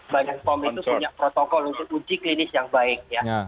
badan pom itu punya protokol untuk uji klinis yang baik ya